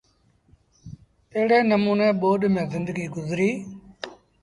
ايڙي نموٚني ٻوڏ ميݩ زندگيٚ گزريٚ۔